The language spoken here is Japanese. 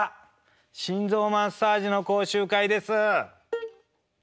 心臓マッサージの講習会です。